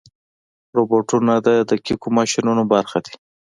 روبوټونه د دقیقو ماشینونو برخه دي.